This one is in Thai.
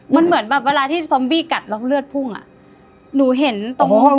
มันเหมือนแบบเวลาที่ซอมบี้กัดแล้วเลือดพุ่งอ่ะหนูเห็นตรงห้อง